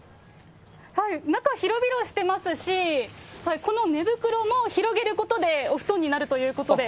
中、広々してますし、この寝袋を広げることで、お布団になるということで。